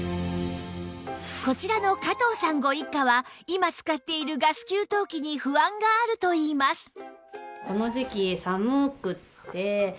こちらの加藤さんご一家は今使っているガス給湯器に不安があるといいます